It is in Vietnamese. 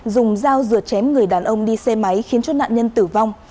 dùng dao dựa chém người đàn ông đi xe máy khiến cho nạn nhân tử vong